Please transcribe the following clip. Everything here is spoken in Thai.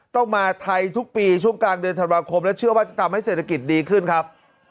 ต้องมาไทยทุกปีช่วงกลางเดือนธันวาคมและเชื่อว่าจะทำให้เศรษฐกิจดีขึ้นครับ